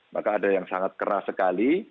maka ada yang sangat keras sekali